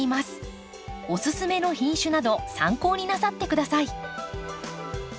オススメの品種など参考になさって下さい。